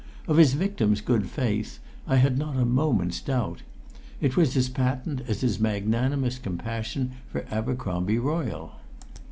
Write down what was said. Of his victim's good faith I had not a moment's doubt; it was as patent as his magnanimous compassion for Abercromby Royle.